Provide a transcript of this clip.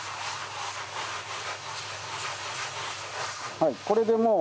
はいこれでもう。